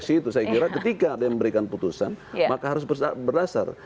saya kira ketika ada yang memberikan putusan maka harus berdasar